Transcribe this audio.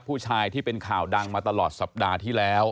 ที่เป็นข่าวดังมาตลอดสัปดาห์ที่แล้ว